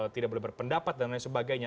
tidak boleh berpendapat dan lain sebagainya